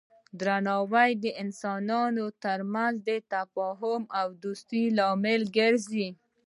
درناوی د انسانانو ترمنځ د تفاهم او دوستی لامل ګرځي.